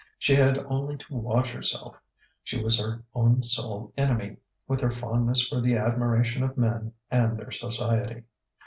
She had only to watch herself: she was her own sole enemy, with her fondness for the admiration of men and their society.